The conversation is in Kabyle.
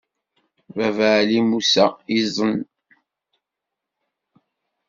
Baba Ɛli Musa izem.